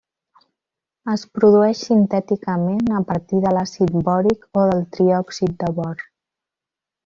Es produeix sintèticament a partir de l'àcid bòric o del triòxid de bor.